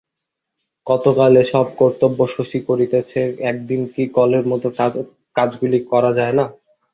কতকাল এসব কর্তব্য শশী করিতেছে, একদিন কি কলের মতো কাজগুলি করা যায় না?